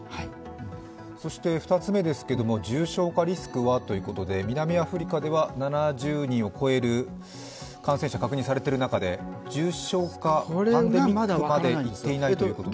そして２つ目ですけれども、重症化リスクはということで南アフリカでは７０人を超える感染者が確認されている中で重症化、パンデミックまでいっていないということで。